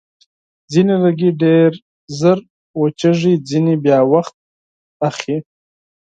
ځینې لرګي ډېر ژر وچېږي، ځینې بیا وخت نیسي.